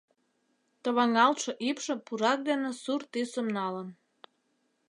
Товаҥалтше ӱпшӧ пурак дене сур тӱсым налын.